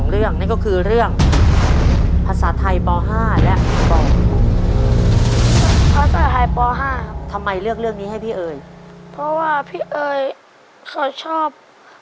แล้วก็อยู่ที่ห้องขับด้วยครับ